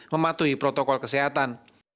mematuhi protokol kesehatan